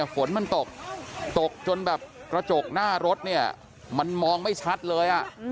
ฝนมันตกตกจนกระจกหน้ารถมันมองไม่ชัดเลย